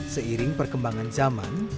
seiring perkembangan zaman